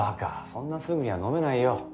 そんなすぐには飲めないよ。